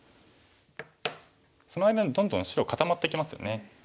その間にどんどん白固まってきますよね。